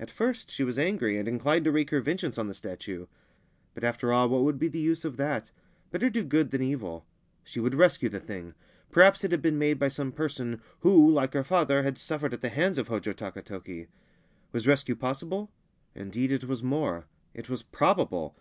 At first she was angry and inclinec to wreak her vengeance on the statue ; but, after all what would be the use of that ? Better do good thai evil. She would rescue the thing. Perhaps it had beer made by some person who, like her father, had sufFerec at the hands of Hojo Takatoki. Was rescue possible Indeed it was more : it was probable.